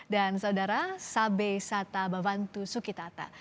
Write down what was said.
dan saudara sabei sata babantu suki tata